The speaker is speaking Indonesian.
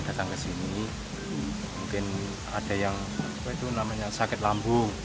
datang ke sini mungkin ada yang apa itu namanya sakit lambung